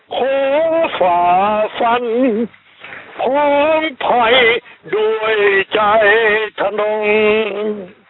ขอฝันพร้อมไพรด้วยใจทะนง